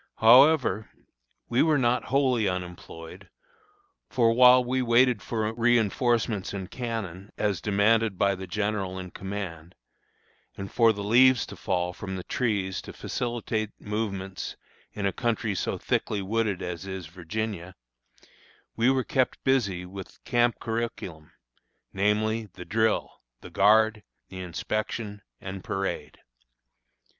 However, we were not wholly unemployed; for while we waited for reinforcements and cannon, as demanded by the general in command, and for the leaves to fall from the trees to facilitate movements in a country so thickly wooded as is Virginia, we were kept busy with the camp curriculum, namely, the drill, the guard, the inspection, and parade.